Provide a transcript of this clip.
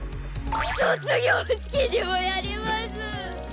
卒業式にもやります！